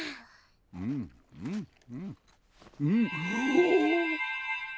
うんうんうんうんはっ！